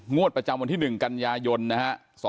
งวดประจำวันที่๑กันยายนนะฮะ